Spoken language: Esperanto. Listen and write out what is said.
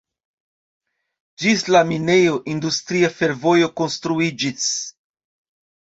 Ĝis la minejo industria fervojo konstruiĝis.